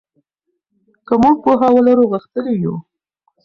که موږ پوهه ولرو غښتلي یو.